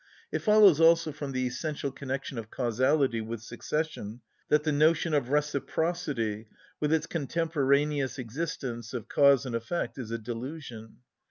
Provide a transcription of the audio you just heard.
It follows also from the essential connection of causality with succession that the notion of reciprocity, with its contemporaneous existence of cause and effect, is a delusion.